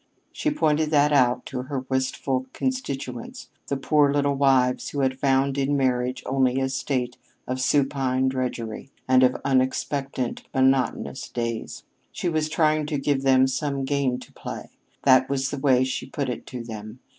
She pointed that out to her wistful constituents, the poor little wives who had found in marriage only a state of supine drudgery, and of unexpectant, monotonous days. She was trying to give them some game to play. That was the way she put it to them.